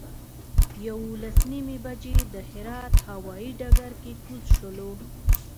یولس نیمې بجې د هرات هوایي ډګر کې کوز شولو.